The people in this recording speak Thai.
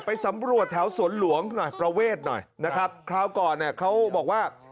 ไปสำรวจแถวสวนหลวงหน่อยประเวทหน่อยนะครับคราวก่อนเนี่ยเขาบอกว่า